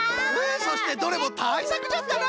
そしてどれもたいさくじゃったな！